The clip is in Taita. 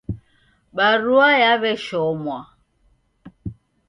Barua yaw'eshomwa.